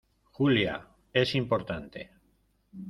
Julia, es importante.